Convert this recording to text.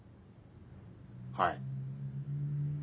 はい。